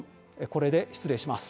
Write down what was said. これで失礼します。